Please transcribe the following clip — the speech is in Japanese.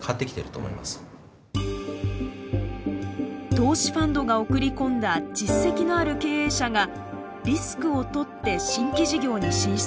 投資ファンドが送り込んだ実績のある経営者がリスクをとって新規事業に進出。